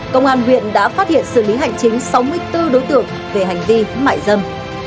công an huyện đã phát hiện xử lý hành chính sáu mươi bốn đối tượng về hành vi mại dâm